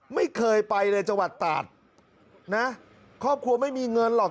ไม่เคยไปเลยจังหวัดตาดนะครอบครัวไม่มีเงินหรอก